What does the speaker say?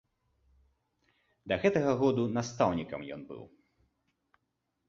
Да гэтага году настаўнікам ён быў.